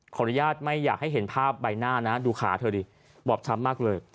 ขออนุญาตไม่อยากให้เห็นภาพใบหน้านะดูขาเธอดิบอบช้ำมากเลย